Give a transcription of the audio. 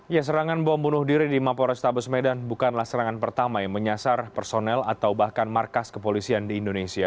ya serangan bom bunuh diri di mapo restabes medan bukanlah serangan pertama yang menyasar personel atau bahkan markas kepolisian di indonesia